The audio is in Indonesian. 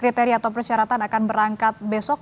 kriteri atau persyaratan akan berangkat besok